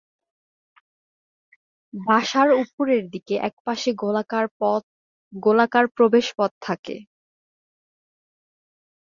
বাসার উপরের দিকে এক পাশে গোলাকার প্রবেশ পথ থাকে।